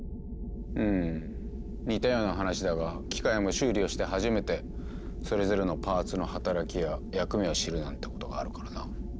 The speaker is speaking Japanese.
ふむ似たような話だが機械も修理をして初めてそれぞれのパーツの働きや役目を知るなんてことがあるからな。